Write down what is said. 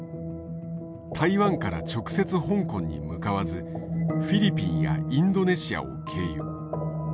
台湾から直接香港に向かわずフィリピンやインドネシアを経由。